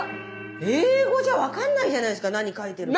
英語じゃ分かんないじゃないですか何書いてるか。